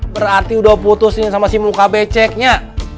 berarti udah putusin sama si luka beceknya